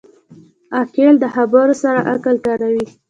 عاقل د خبرو سره عقل کاروي.